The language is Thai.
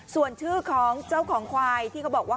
ส่วนชื่อของเจ้าของควายที่เขาบอกว่า